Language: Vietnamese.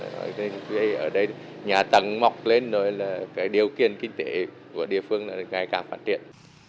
vì vậy ở đây nhà tầng mọc lên rồi là cái điều kiện kinh tế của địa phương là ngày càng phát triển